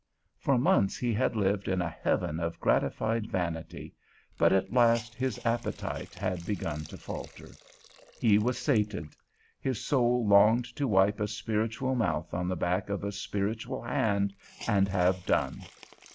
For months he had lived in a heaven of gratified vanity, but at last his appetite had begun to falter. He was sated; his soul longed to wipe a spiritual mouth on the back of a spiritual hand, and have done.